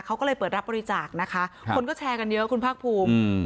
เขาก็เลยเปิดรับบริจาคนะคะคนก็แชร์กันเยอะคุณภาคภูมิ